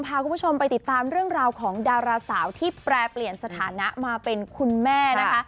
พาคุณผู้ชมไปติดตามเรื่องราวของดาราสาวที่แปรเปลี่ยนสถานะมาเป็นคุณแม่นะคะ